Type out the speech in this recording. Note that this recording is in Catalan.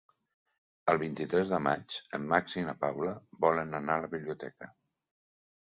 El vint-i-tres de maig en Max i na Paula volen anar a la biblioteca.